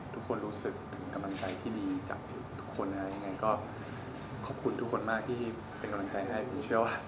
ทุกคนรู้สึกกำลังใจที่ดีจากทุกคนขอบคุณทุกคนมากที่เป็นกำลังใจให้